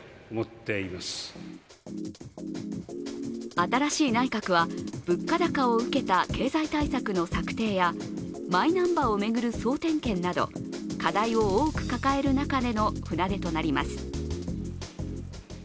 新しい内閣は物価高を受けた経済対策の策定やマイナンバーを巡る総点検など、課題を多く抱える中での船出となります。